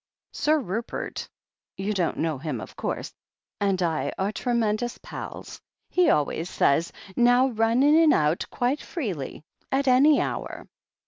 Sir Rupert — ^you don't know him, of course — and I are tremendous pals — ^he always says: Now run in and out quite freely, at any hour."